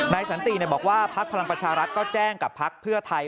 สันติบอกว่าพักพลังประชารัฐก็แจ้งกับพักเพื่อไทย